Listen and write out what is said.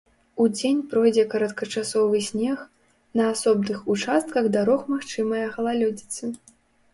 Удзень пройдзе кароткачасовы снег, на асобных участках дарог магчымая галалёдзіца.